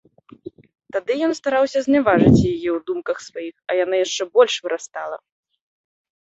Тады ён стараўся зняважыць яе ў думках сваіх, а яна яшчэ больш вырастала.